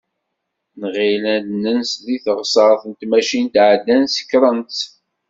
Nɣill ad nens deg teɣsert n tmacint, ɛeddan sekkṛen-tt.